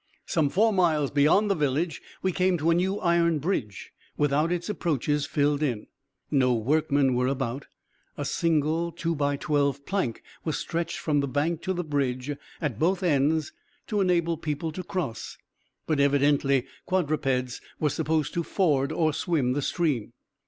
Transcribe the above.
Some four miles beyond the village we came to a new iron bridge, without its approaches filled in. No workmen were about. A single two by twelve plank was stretched from the bank to the bridge at both ends to enable people to cross, but evidently quadrupeds were supposed to ford or swim the stream.